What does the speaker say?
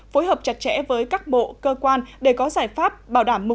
phối hợp chặt chẽ với các bộ cơ quan để có giải pháp bảo đảm